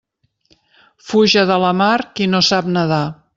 Fuja de la mar qui no sap nedar.